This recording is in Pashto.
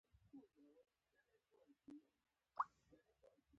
کافي رڼا جوړه کړه !